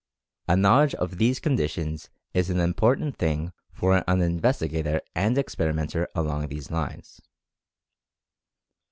A knowledge of these conditions is an important thing for an investi gator and experimenter along these lines.